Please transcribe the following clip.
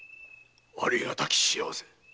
ありがたき幸せ。